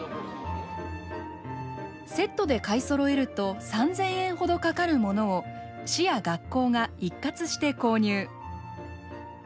セットで買いそろえると３，０００円ほどかかるものを市や学校が一括して購入。